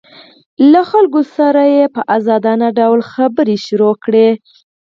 له خلکو سره یې په ازادانه ډول خبرې پیل کړې